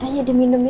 tanya dia minum